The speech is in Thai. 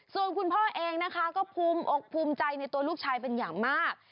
ส่วนคุณพ่อเองนะคะก็ภูมิอกภูมิใจในตัวลูกชายเป็นอย่างมาก